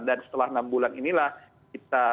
setelah enam bulan inilah kita